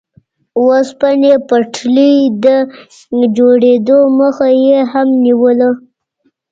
اوسپنې پټلۍ د جوړېدو مخه یې هم نیوله.